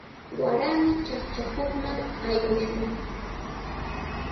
Warami chaqchakuqman aywashun.